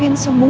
mama gak mau